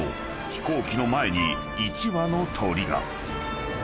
飛行機の前に１羽の鳥が］